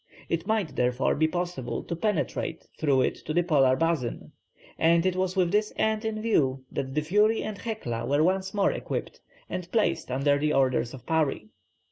It might, therefore, be possible to penetrate through it to the Polar basin, and it was with this end in view that the Fury and Hecla were once more equipped, and placed under the orders of Parry.